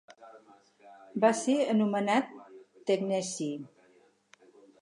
Va ser anomenat tecneci.